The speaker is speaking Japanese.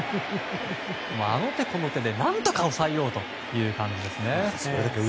あの手この手で何とか抑えようという感じですね。